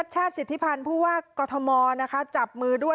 แบ๊บนี้โดนว่าจับมือ